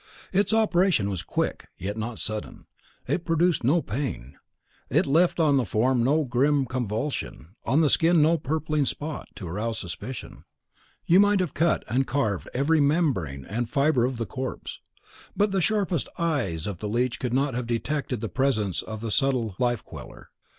Its operation was quick yet not sudden: it produced no pain, it left on the form no grim convulsion, on the skin no purpling spot, to arouse suspicion; you might have cut and carved every membrane and fibre of the corpse, but the sharpest eyes of the leech would not have detected the presence of the subtle life queller.